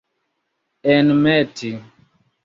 enmeti